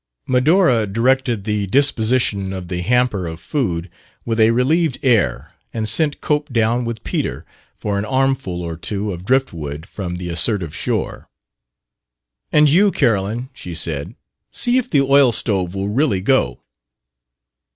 Medora directed the disposition of the hamper of food with a relieved air and sent Cope down with Peter for an armful or two of driftwood from the assertive shore. "And you, Carolyn," she said, "see if the oil stove will really go."